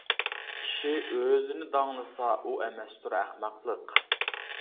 كىشى ئۆزىنى داڭلىسا، ئۇ ئەمەستۇر ئەخمەقلىق.